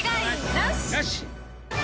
なし！